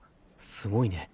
すごいね。